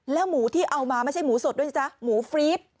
หมูที่เอามาไม่ใช่หมูสดด้วยนะจ๊ะหมูฟรี๊ด